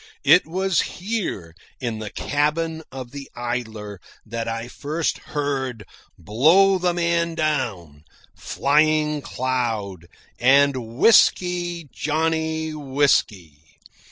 It was here, in the cabin of the Idler, that I first heard "Blow the Man Down," "Flying Cloud," and "Whisky, Johnny, Whisky."